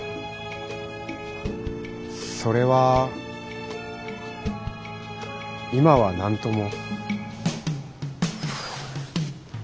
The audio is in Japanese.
それは今は何とも。